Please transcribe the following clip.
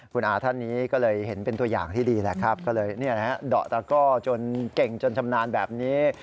คุณอาท่านนี้ก็เลยเห็นเป็นตัวอย่างที่ดีแหละครับก็เลยเดาะตะก้อจนเก่งจนชำนาญแบบนี้